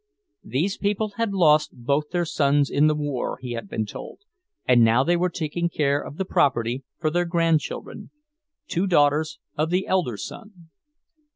These people had lost both their sons in the war, he had been told, and now they were taking care of the property for their grandchildren, two daughters of the elder son.